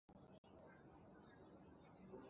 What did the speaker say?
Vate paoh nih hmur an ngei dih.